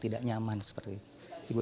tidak nyaman seperti ini